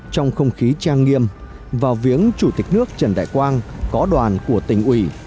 trong không khí trang nghiêm vào viếng chủ tịch nước trần đại quang có đoàn của tỉnh ủy